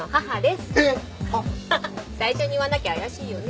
最初に言わなきゃ怪しいよね。